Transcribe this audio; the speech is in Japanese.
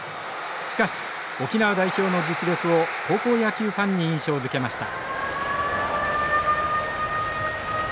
しかし沖縄代表の実力を高校野球ファンに印象づけました。